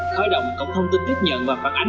khởi động cổng thông tin tiếp nhận và phản ánh